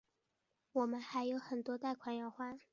我们还有很多贷款要还